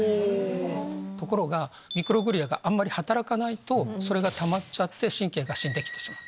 ところがミクログリアがあんまり働かないとそれがたまっちゃって神経が死んできてしまう。